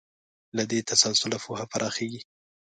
له دې تسلسله پوهه پراخېږي.